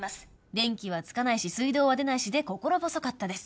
電気はつかないし水道は出ないしで心細かったです。